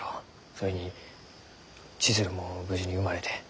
それに千鶴も無事に生まれて。